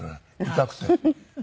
痛くて？